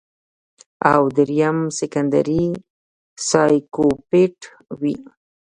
او دريم سيکنډري سايکوپېت وي